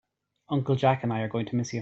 Uncle Jack and I are going to miss you.